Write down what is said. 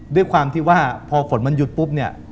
ด้วยความที่ว่าพอฝนมันหยุดปุ๊บเนี่ย